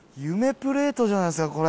プレートじゃないですかこれ。